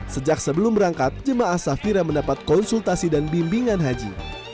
sejak sebelum berangkat jemaah safira mendapat konsultasi dan bimbingan haji